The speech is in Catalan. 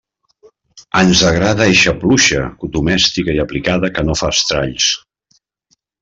Ens agrada eixa pluja domèstica i aplicada que no fa estralls.